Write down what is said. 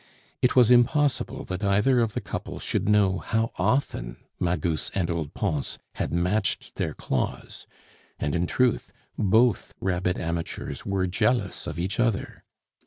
It was impossible that either of the couple should know how often Magus and old Pons had matched their claws. And, in truth, both rabid amateurs were jealous of each other.